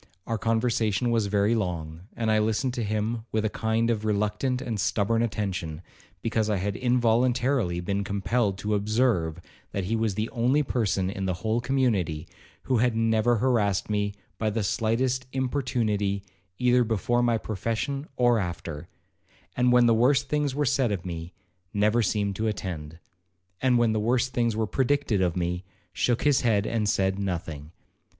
Our conversation was very long, and I listened to him with a kind of reluctant and stubborn attention, because I had involuntarily been compelled to observe, that he was the only person in the whole community who had never harassed me by the slightest importunity either before my profession or after; and when the worst things were said of me, never seemed to attend; and when the worst things were predicted of me, shook his head and said nothing.